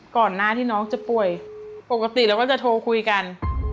ก่อนหน้าที่น้องจะป่วยปกติเราก็จะโทรคุยกัน